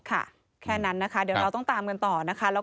แค่นั้นนะคะเดี๋ยวเราต้องตามกันต่อนะคะ